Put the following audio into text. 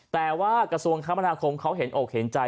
แต่ว่ากระทรวงคมนาคมเขาเห็นอกเห็นใจ